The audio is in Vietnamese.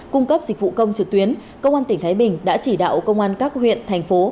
cung cấp dịch vụ công trực tuyến công an tỉnh thái bình đã chỉ đạo công an các huyện thành phố